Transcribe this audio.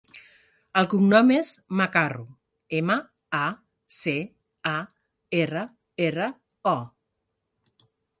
El cognom és Macarro: ema, a, ce, a, erra, erra, o.